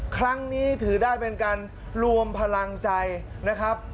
ครั้งนี้ถือได้เป็นการรวมพลังใจนะครับ